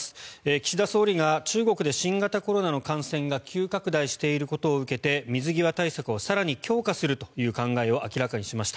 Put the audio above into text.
岸田総理が中国で新型コロナの感染が急拡大していることを受けて水際対策を更に強化するという考えを明らかにしました。